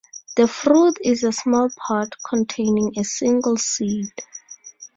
The fruit is a small pod containing a single seed.